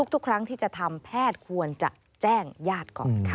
ทุกครั้งที่จะทำแพทย์ควรจะแจ้งญาติก่อนค่ะ